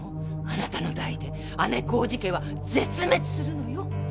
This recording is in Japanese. あなたの代で姉小路家は絶滅するのよ！